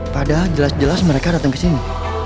padahal jelas jelas mereka datang ke sini